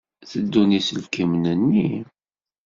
Tteddun yiselkimen-nni?